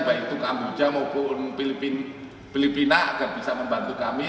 baik itu kamboja maupun filipina agar bisa membantu kami